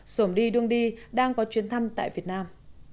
sổm đi đương đi đang có chuyến thăm tại việt nam